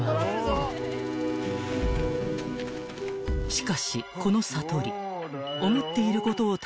［しかしこのさとり］